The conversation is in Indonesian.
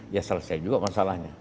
ya selesai juga masalahnya